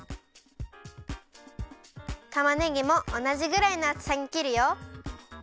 たまねぎもおなじぐらいのあつさにきるよ。